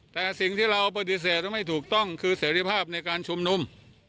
แต่สิ่งที่เราปฏิเสธไม่ถูกต้องคือเสร็จภาพในการชุมนุม